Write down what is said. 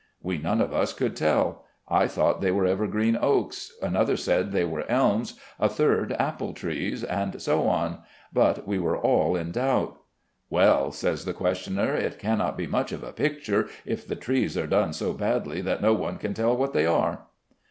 We none of us could tell; I thought they were evergreen oaks, another said they were elms, a third apple trees, and so on; but we were all in doubt. "Well," says the questioner, "it cannot be much of a picture if the trees are done so badly that no one can tell what they are."